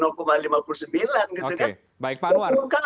oke baik pak war